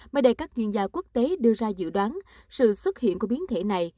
mời đại các chuyên gia quốc tế đưa ra dự đoán sự xuất hiện của biến thể này